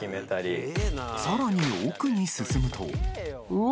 さらに奥に進むとうわ